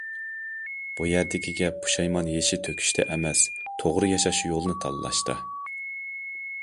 بۇ يەردىكى گەپ پۇشايمان يېشى تۆكۈشتە ئەمەس، توغرا ياشاش يولىنى تاللاشتا.